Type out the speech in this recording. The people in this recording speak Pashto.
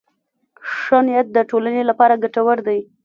ښه نیت د ټولنې لپاره ګټور دی.